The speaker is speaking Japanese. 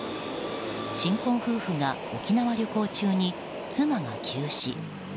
新婚夫婦が沖縄旅行中に妻が急死。